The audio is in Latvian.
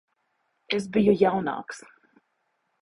Es biju jaunāks.